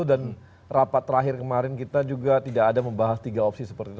dan rapat terakhir kemarin kita juga tidak ada membahas tiga opsi seperti itu